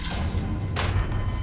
esta bocahan saja